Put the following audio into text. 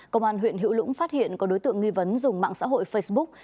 công an huyện hữu lũng phát hiện có đối tượng nghi vấn dùng mạng xã hội facebook